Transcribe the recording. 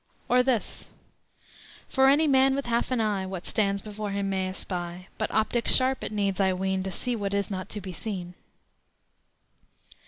Or this: "For any man with half an eye What stands before him may espy; But optics sharp it needs, I ween, To see what is not to be seen."